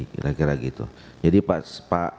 kira kira gitu jadi pak